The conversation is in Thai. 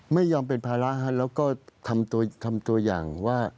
ไม่ยอมเป็นภาระแล้วก็ทำตัวอย่างว่า